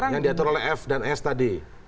yang diatur oleh f dan s tadi